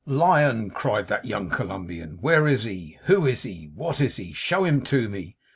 'Lion! (cried that young Columbian) where is he? Who is he? What is he? Show him to me.